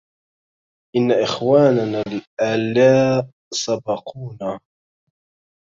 إن إخواننا الألى سبقونا